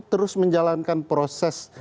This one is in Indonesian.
terus menjalankan proses